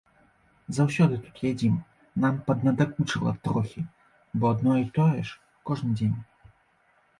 Заўсёды тут ядзім, нам паднадакучыла трохі, бо адно і тое ж кожны дзень.